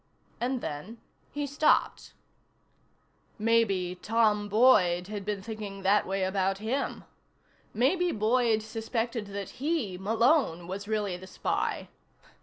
And then he stopped. Maybe Tom Boyd had been thinking that way about him. Maybe Boyd suspected that he, Malone, was really the spy.